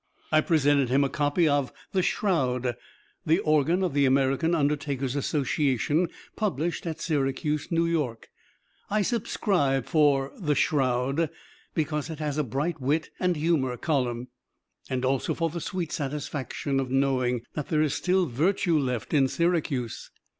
I presented him a copy of "The Shroud," the organ of the American Undertakers' Association, published at Syracuse, New York. I subscribe for "The Shroud" because it has a bright wit and humor column, and also for the sweet satisfaction of knowing that there is still virtue left in Syracuse.